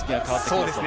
そうですね。